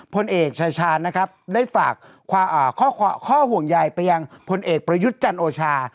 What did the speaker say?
พลเอกชายชาญนะครับได้ฝากข้อห่วงใยไปยังพลเอกประยุทธ์จันโอชา